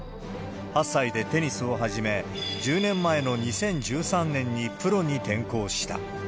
８歳でテニスを始め、１０年前の２０１３年にプロに転向した。